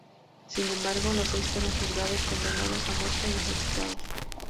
Sin embargo, los seis fueron juzgados, condenados a muerte y ejecutados.